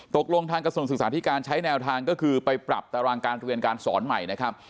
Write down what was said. ตกลงทางกระทรวงศึกษาธิการใช้แนวทางก็คือไปปรับตารางการเรียนการสอนใหม่นะครับ